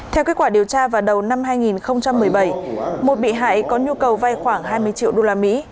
theo kết quả điều tra vào đầu năm hai nghìn một mươi bảy một bị hại có nhu cầu vay khoảng hai mươi triệu đô la mỹ